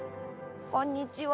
こんにちは。